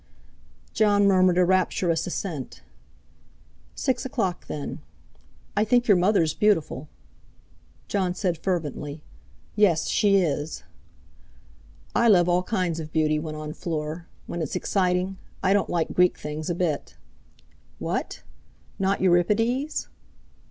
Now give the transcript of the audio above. Jon murmured a rapturous assent. "Six o'clock, then. I think your mother's beautiful" Jon said fervently: "Yes, she is." "I love all kinds of beauty," went on Fleur, "when it's exciting. I don't like Greek things a bit." "What! Not Euripides?"